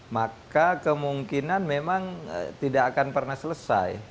maka kemungkinan memang tidak akan pernah selesai